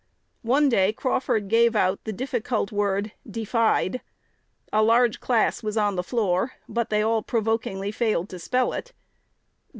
One day Crawford gave out the difficult word defied. A large class was on the floor, but they all provokingly failed to spell it.